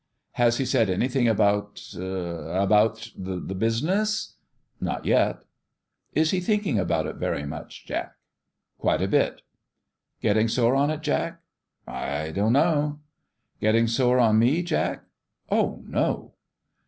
" Has he said anything about about the business?" " Not yet." " Is he thinking about it very much, Jack ?"" Quite a bit." " Getting sore on it, Jack ?"" I don't know." " Getting sore on me, Jack?" " Oh, no